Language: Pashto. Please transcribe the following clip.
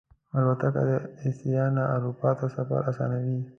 الوتکه د آسیا نه اروپا ته سفر آسانوي.